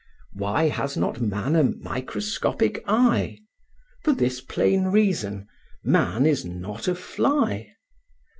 Why has not man a microscopic eye? For this plain reason, man is not a fly.